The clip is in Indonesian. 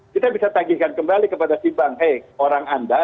kita bisa tagihkan kembali kepada si bang hey orang anda